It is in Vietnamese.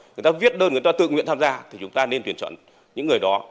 người ta viết đơn người ta tự nguyện tham gia thì chúng ta nên tuyển chọn những người đó